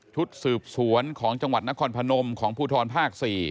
ชุดสืบสวนของจังหวัดนครพนมของภูทรภาค๔